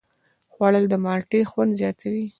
خوړل د مالټې خوند زیاتوي